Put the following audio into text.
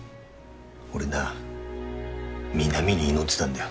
俺な美波に祈ってたんだよ。